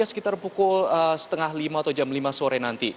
sekitar pukul setengah lima atau jam lima sore nanti